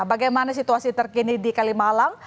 bagaimana situasi terkini di kalimalang